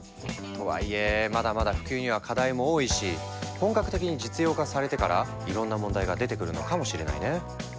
とはいえまだまだ普及には課題も多いし本格的に実用化されてからいろんな問題が出てくるのかもしれないね。